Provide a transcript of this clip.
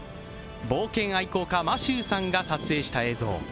冒険愛好家マシューさんが撮影した映像。